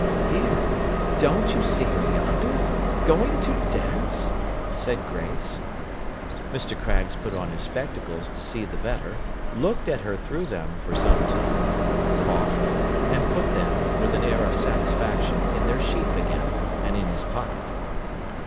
'Here! Don't you see her yonder? Going to dance?' said Grace. Mr. Craggs put on his spectacles to see the better; looked at her through them, for some time; coughed; and put them, with an air of satisfaction, in their sheath again, and in his pocket.